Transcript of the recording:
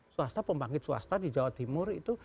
swasta pembangkit swasta di jawa timur itu